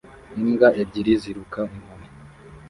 imbwa ebyiri ziruka inkoni